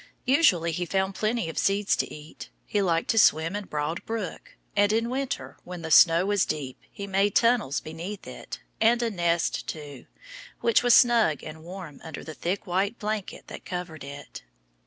Usually he found plenty of seeds to eat. He liked to swim in Broad Brook. And in winter, when the snow was deep, he made tunnels beneath it, and a nest, too, which was snug and warm under the thick white blanket that covered it.